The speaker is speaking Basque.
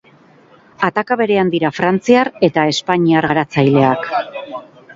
Ataka berean dira frantziar eta espainiar garatzaileak.